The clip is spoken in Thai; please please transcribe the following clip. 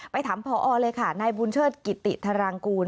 ไปถามพอเลยค่ะนายบุญเชิดกิติธารางกูล